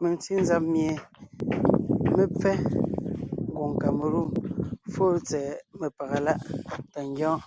Mentí nzab mie mé pfɛ́ɛ ngwòŋ Kamelûm fóo tsɛ̀ɛ mepaga láʼ tà ngyɔ́ɔn.